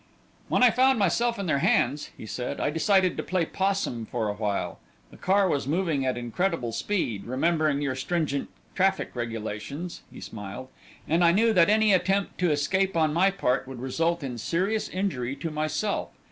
"When I found myself in their hands," he said, "I decided to play 'possum for a while. The car was moving at incredible speed, remembering your stringent traffic regulations," he smiled, "and I knew that any attempt to escape on my part would result in serious injury to myself.